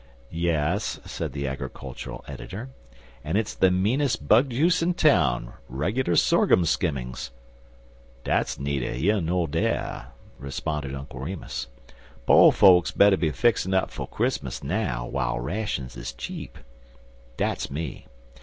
"Yes," said the agricultural editor, "and it's the meanest bug juice in town regular sorghum skimmings." "Dat's needer yer ner dar," responded Uncle Remus. "Po' fokes better be fixin' up for Chris'mus now w'ile rashuns is cheap. Dat's me.